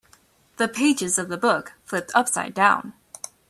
The pages of the book flipped upside down.